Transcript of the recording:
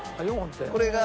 これが。